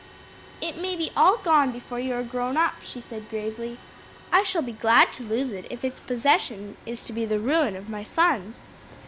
"It may be all gone before you are grown up," she said gravely. "I shall be glad to lose it if its possession is to be the ruin of my sons.